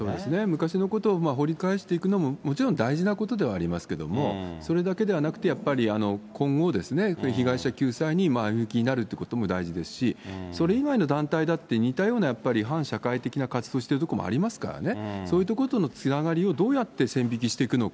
昔のことを掘り返していくのももちろん大事なことではありますけれども、それだけではなくて、やっぱり今後、被害者救済に前向きになるってことも大事ですし、それ以外の団体だって、似たような、やっぱり反社会的な活動をしているところもありますからね。